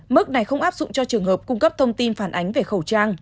mức này không áp dụng cho trường hợp cung cấp thông tin phản ánh về khẩu trang